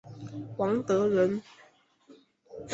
王德人。